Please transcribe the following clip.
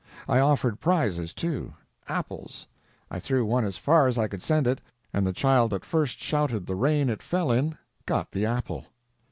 I offered prizes, too—apples. I threw one as far as I could send it, and the child that first shouted the reign it fell in got the apple.